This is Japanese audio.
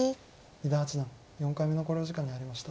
伊田八段４回目の考慮時間に入りました。